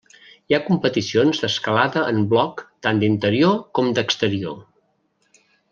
Hi ha competicions d'escalada en bloc tant d'interior com d'exterior.